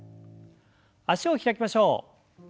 脚を開きましょう。